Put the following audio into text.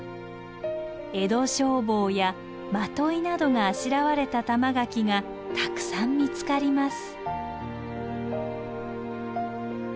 「江戸消防」や「まとい」などがあしらわれた玉垣がたくさん見つかります。